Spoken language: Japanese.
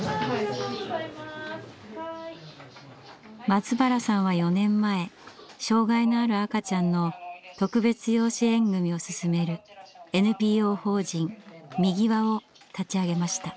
松原さんは４年前障害のある赤ちゃんの特別養子縁組をすすめるＮＰＯ法人みぎわを立ち上げました。